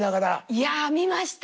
いや見ました！